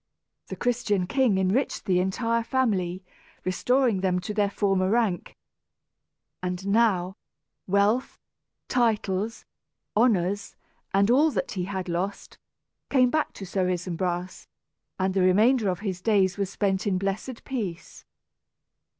The Christian king enriched the entire family, restoring them to their former rank. And now wealth, titles, honors, and all that he had lost, came back to Sir Isumbras, and the remainder of his days was spent in blessed peace.